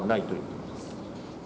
ということです。